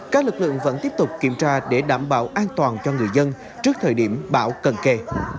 các lực lượng vẫn tiếp tục kiểm tra để đảm bảo an toàn cho người dân trước thời điểm bão cần kề